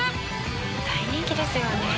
「大人気ですよね」